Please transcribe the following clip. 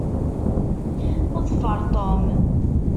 Ḍfeṛ Tom!